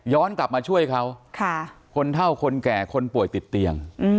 กลับมาช่วยเขาคนเท่าคนแก่คนป่วยติดเตียง